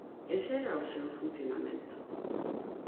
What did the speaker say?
Ese era o seu funcionamento.